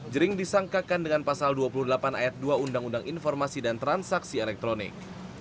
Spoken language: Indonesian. jering disangkakan dengan pasal dua puluh delapan ayat dua undang undang informasi dan transaksi elektronik